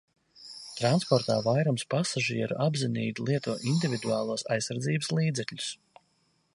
Transportā vairums pasažieru apzinīgi lieto individuālos aizsardzības līdzekļus.